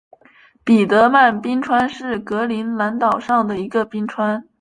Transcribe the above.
彼得曼冰川是格陵兰岛上的一个冰川。